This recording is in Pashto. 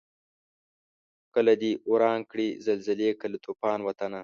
کله دي وران کړي زلزلې کله توپان وطنه